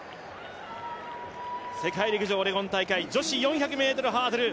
世界陸上オレゴン大会、女子４００ｍハードル。